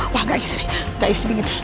wah gak isri gak isri bingit